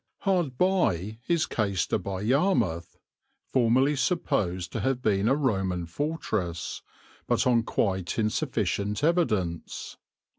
Hard by is Caister by Yarmouth, formerly supposed to have been a Roman fortress, but on quite insufficient evidence.